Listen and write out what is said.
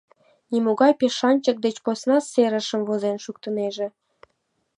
Нимогай мешанчык деч посна серышым возен шуктынеже.